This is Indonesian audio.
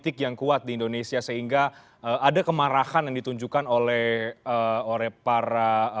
tergantung apses oat secara kepercayaan untuk mereka